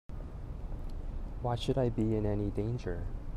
Why should I be in any danger?